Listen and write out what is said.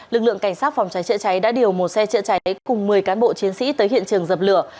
lực lượng cảnh sát phòng cháy chữa cháy đã điều một xe chữa cháy cùng một mươi cán bộ chiến sĩ tới hiện trường dập lửa